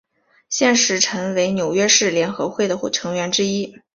现时陈为纽约市联合会的成员之一。